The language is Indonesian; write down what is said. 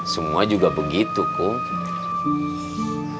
semua juga begitu kum